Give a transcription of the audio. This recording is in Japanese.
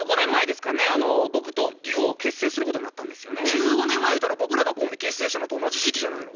１５年前ゆうたら僕らがコンビ結成したのと同じ時期じゃないの？